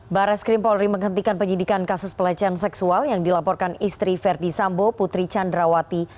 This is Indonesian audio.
bares krim polri menghentikan penyidikan kasus pelecehan seksual yang dilaporkan istri verdi sambo putri candrawati